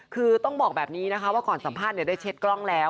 คือต้องบอกแบบนี้นะคะว่าก่อนสัมภาษณ์ได้เช็ดกล้องแล้ว